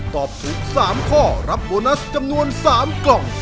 ตอบถูก๓ข้อรับโบนัสจำนวน๓กล่อง